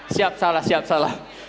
siap salah siap salah